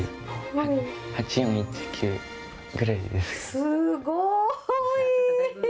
すごーい！